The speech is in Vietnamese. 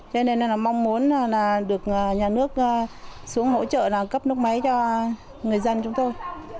cho nên là mong muốn là được nhà nước xuống hỗ trợ là cấp nước máy cho người dân chúng tôi